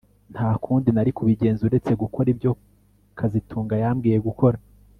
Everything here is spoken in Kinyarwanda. Nta kundi nari kubigenza uretse gukora ibyo kazitunga yambwiye gukora